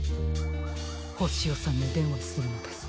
ホシヨさんにでんわするのです！